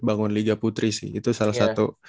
bangun liga putri sih itu salah satu